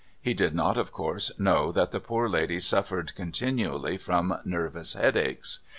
He did not, of course, know that the poor lady suffered continually from nervous headaches.